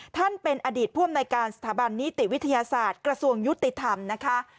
ท่านเป็นอดีตผู้อำนวยการสถาบันนิติวิทยาศาสตร์กระทรวงยุติธรรมนะคะ